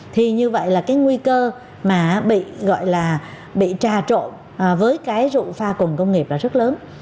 thì như vậy là cái nguy cơ mà bị gọi là bị trà trộn với cái rượu pha cùng công nghiệp là rất lớn